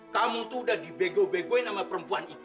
kamu tuh udah dibego begoin sama perempuan itu